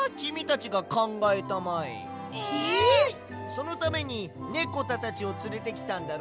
そのためにネコタたちをつれてきたんだろ。